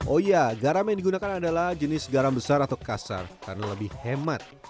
oh iya garam yang digunakan adalah jenis garam besar atau kasar karena lebih hemat